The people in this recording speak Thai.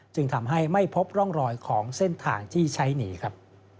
จึงทำให้ไม่พบร่องรอยของเส้นทางที่ใช้หนีครับ